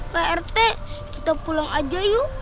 pak rt kita pulang aja yuk